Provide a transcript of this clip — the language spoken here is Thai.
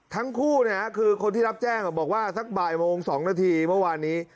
ทั้งคู่คือคนที่รับแจ้งบอกว่าสักบ่ายโมง๒นาทีเมื่อวานนี้